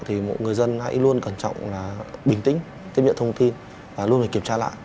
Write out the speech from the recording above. thì mỗi người dân hãy luôn cẩn trọng là bình tĩnh tiếp nhận thông tin và luôn phải kiểm tra lại